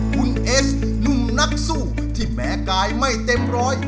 คุณเอสหนุ่มนักสู้ที่แม้กายไม่เต็มร้อย